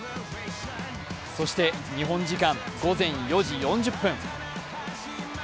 そして、日本時間午前４時４０分。